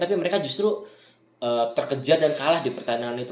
tapi mereka justru terkejar dan kalah di pertandingan itu